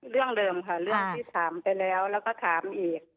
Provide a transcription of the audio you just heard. เรื่องเดิมค่ะเรื่องที่ถามไปแล้วแล้วก็ถามอีก